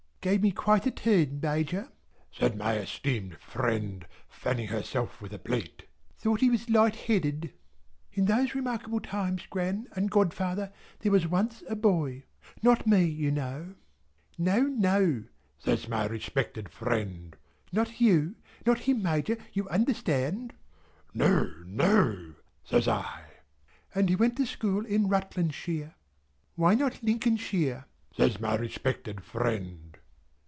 "Gave me quite a turn, Major," said my esteemed friend, fanning herself with a plate. "Thought he was light headed!" "In those remarkable times, Gran and godfather, there was once a boy, not me, you know." "No, no," says my respected friend, "not you. Not him, Major, you understand?" "No, no," says I. "And he went to school in Rutlandshire " "Why not Lincolnshire?" says my respected friend.